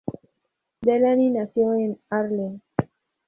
Delany nació en Harlem.